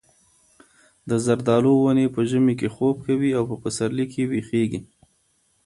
د زردالو ونې په ژمي کې خوب کوي او په پسرلي کې ویښېږي.